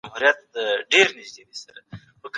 لومړی پړاو د بري او نوي حکومت دی.